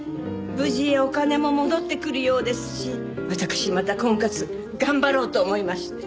無事お金も戻ってくるようですし私また婚活頑張ろうと思いまして。